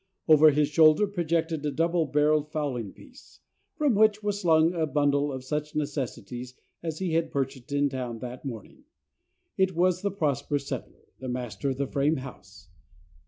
Over his shoulder projected a double barrelled fowling piece, from which was slung a bundle of such necessities as he had purchased in town that morning. It was the prosperous settler, the master of the frame house.